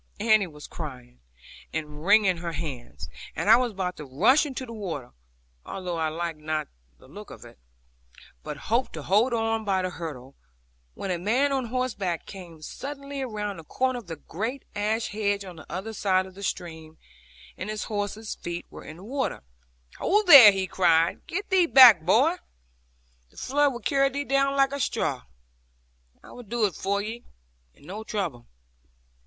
Annie was crying, and wringing her hands, and I was about to rush into the water, although I liked not the look of it, but hoped to hold on by the hurdle, when a man on horseback came suddenly round the corner of the great ash hedge on the other side of the stream, and his horse's feet were in the water. 'Ho, there,' he cried; 'get thee back, boy. The flood will carry thee down like a straw. I will do it for thee, and no trouble.'